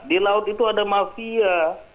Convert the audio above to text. di laut itu ada mafia